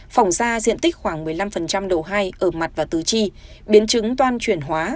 phòng da diện tích khoảng một mươi năm độ hai ở mặt và tứ chi biến chứng toan chuyển hóa